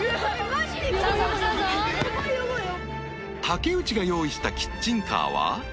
［竹内が用意したキッチンカーは］